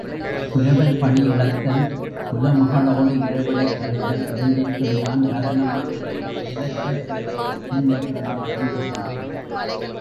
குரவர் பணி இழத்தல், குல மகளோடு இரவிடைக்கழிதல் இரண்டிற்கும் யான் காரணமாகிறேன் செயலற்ற நிலையில் சிந்தை இழந்து வருந்துகின்றேன்.